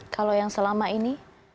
kalau yang selama ini